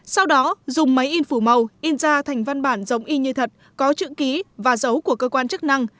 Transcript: sau đó dùng máy in phủ màu in ra thành văn bản giống y như thật có chữ ký và dấu của cơ quan chức năng